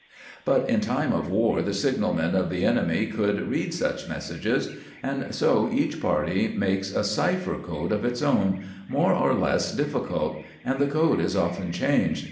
But in time of war the signalmen of the enemy could read such messages, and so each party makes a cipher code of its own, more or less difficult; and the code is often changed.